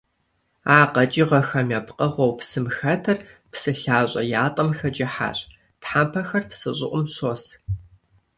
А къэкӀыгъэхэм я пкъыгъуэу псым хэтыр псы лъащӀэ ятӀэм хэкӀыхьащ, тхьэмпэхэр псы щӀыӀум щос.